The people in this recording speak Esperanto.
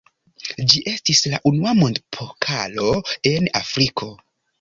Ĝi estis la unua mondpokalo en Afriko.